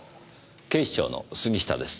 警視庁の杉下です。